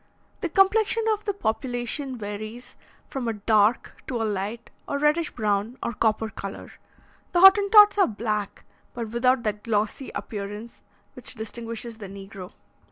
The complexion of the population varies from a dark to a light or reddish brown or copper colour. The Hottentots are black, but without that glossy appearance which distinguishes the negro.